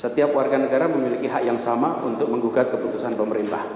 setiap warga negara memiliki hak yang sama untuk menggugat keputusan pemerintah